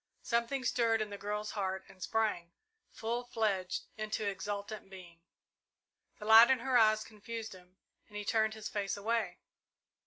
Something stirred in the girl's heart and sprang, full fledged, into exultant being. The light in her eyes confused him, and he turned his face away.